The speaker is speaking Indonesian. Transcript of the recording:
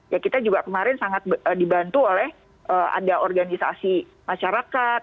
ya kita juga kemarin sangat dibantu oleh ada organisasi masyarakat